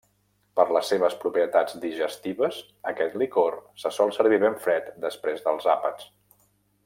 Per les seves propietats digestives, aquest licor se sol servir ben fred després dels àpats.